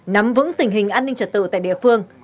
nắm vững tình hình an ninh trật tự tại địa phương